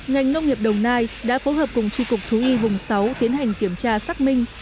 ngành nông nghiệp đồng nai đã phối hợp cùng tri cục thú y vùng sáu tiến hành kiểm tra xác minh